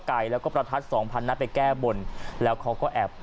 ไก่แล้วก็ประทัดสองพันนัดไปแก้บนแล้วเขาก็แอบ